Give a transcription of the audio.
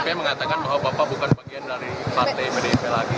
saya mengatakan bahwa bapak bukan bagian dari partai pdip lagi